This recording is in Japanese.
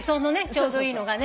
ちょうどいいのがね。